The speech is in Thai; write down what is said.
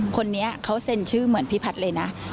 คนนี้เขาเซ็นชื่อเหมือนพี่พัฒน์เลยนะ